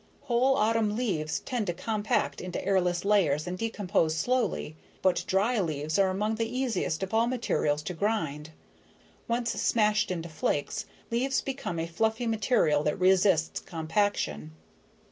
Whole autumn leaves tend to compact into airless layers and decompose slowly, but dry leaves are among the easiest of all materials to grind. Once smashed into flakes, leaves become a fluffy material that resists compaction.